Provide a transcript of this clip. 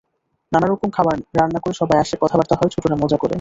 নানা রকম খাবার রান্না করে সবাই আসে, কথাবার্তা হয়, ছোটরা মজা করে।